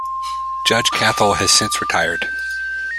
Judge Cathell has since retired.